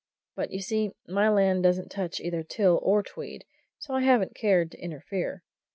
But you see, my land doesn't touch either Till or Tweed, so I haven't cared to interfere.